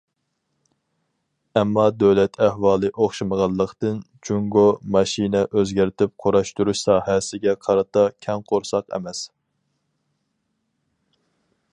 ئەمما دۆلەت ئەھۋالى ئوخشىمىغانلىقتىن، جۇڭگو ماشىنا ئۆزگەرتىپ قۇراشتۇرۇش ساھەسىگە قارىتا كەڭ قورساق ئەمەس.